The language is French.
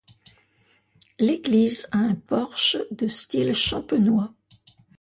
L'église a un porche de style champenois.